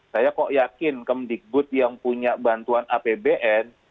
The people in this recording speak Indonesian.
saya kok yakin kemdikbud yang punya bantuan apbn